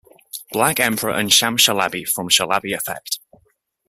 Black Emperor and Sam Shalabi from Shalabi Effect.